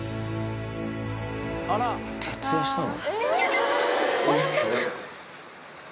徹夜したの？